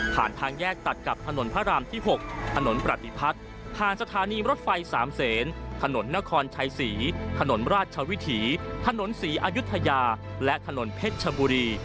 ทางแยกตัดกับถนนพระรามที่๖ถนนประติพัฒน์ผ่านสถานีรถไฟ๓เซนถนนนครชัยศรีถนนราชวิถีถนนศรีอายุทยาและถนนเพชรชบุรี